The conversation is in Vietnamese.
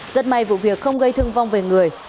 rất may vụ việc không gây thương vong về người